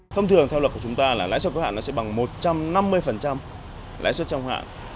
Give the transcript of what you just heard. thông thường theo luật của chúng ta là lãi suất có hạn nó sẽ bằng một trăm năm mươi lãi suất trong hạn